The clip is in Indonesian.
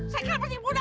saya kan pasien muda